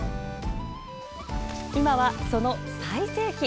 今は、その最盛期。